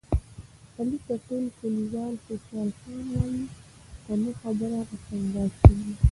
علي ته ټول کلیوال خوشحال خان وایي، په نه خبره له خندا شین وي.